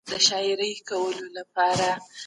هغې خپلې پیسې په یوه ځای نه بندولې.